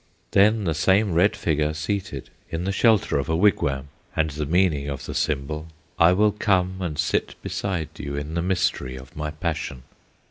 Then the same red figure seated In the shelter of a wigwam, And the meaning of the symbol, "I will come and sit beside you In the mystery of my passion!"